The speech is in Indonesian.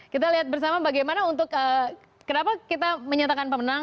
kita lihat bersama bagaimana untuk kenapa kita menyatakan pemenang